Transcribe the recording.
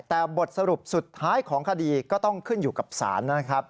แต่บทสรุปสุดท้ายของคดีก็ต้องขึ้นอยู่กับศาลนะครับ